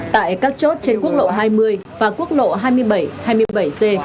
tại các chốt trên quốc lộ hai mươi và quốc lộ hai mươi bảy hai mươi bảy c